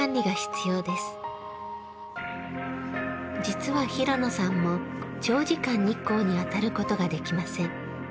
実は平野さんも長時間日光に当たることができません。